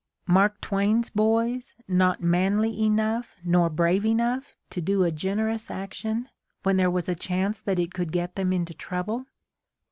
Mark Swain's boys "not manly enough nor brave enough" to do a generous action when J Mark Twain's Despair there was a chance that it could get them into trouble